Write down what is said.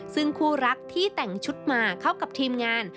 ซึ่งคู่รักที่แต่งชุดมาเข้ากับทีมงาน